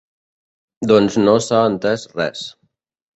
Doncs no s’ha entès res.